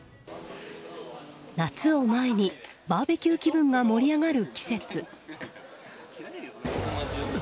夏を前にバーベキュー気分が盛り上がる季節。